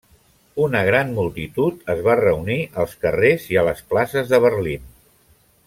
Una gran multitud es va reunir als carrers i a les places de Berlín.